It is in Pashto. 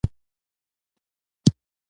دوی دا کار د رخصتیو په موسم کې ترسره کوي